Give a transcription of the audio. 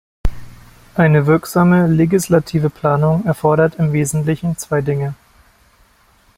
Eine wirksame legislative Planung erfordert im Wesentlichen zwei Dinge.